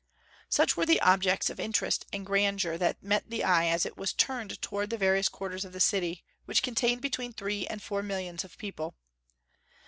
Such were the objects of interest and grandeur that met the eye as it was turned toward the various quarters of the city, which contained between three and four millions of people.